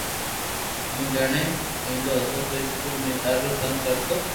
ھون جڻي نينو ھتو تو اسڪول مي ڌاڌو تنگ ڪرتو